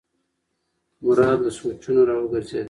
مراد له سوچونو راوګرځېد.